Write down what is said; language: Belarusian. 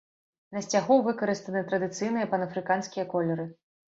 На сцягу выкарыстаны традыцыйныя панафрыканскія колеры.